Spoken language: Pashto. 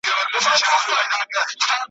ډېر پخوا چي نه موټر او نه سایکل وو ,